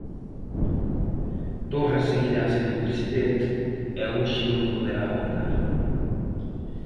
Torra seguirá sendo president e hoxe non poderá votar.